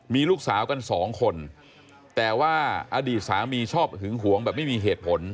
มีลูกสาวกันสองคนแต่ว่าอดีตสามีชอบหึงหวงแบบไม่มีเหตุผล